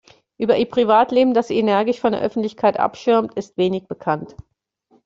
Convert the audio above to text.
Über ihr Privatleben, das sie energisch von der Öffentlichkeit abschirmt, ist wenig bekannt.